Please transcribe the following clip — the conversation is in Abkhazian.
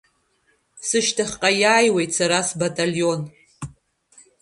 Сышьҭахьҟа иааиуеит сара сбаталион.